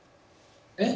えっ？